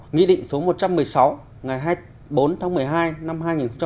nghị định số một mươi chín ngày hai mươi tháng sáu năm hai nghìn một mươi sáu